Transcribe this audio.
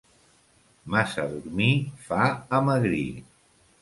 Massa dormir fa amagrir.